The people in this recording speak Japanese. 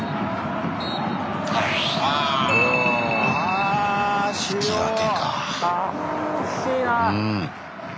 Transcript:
あ引き分けか。